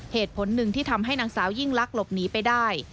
เหตุผลหนึ่งที่ทำให้นางสาวยิ่งลักษณ์หลบหนีไปได้